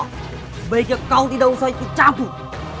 sebaiknya kau tidak usah ikut campur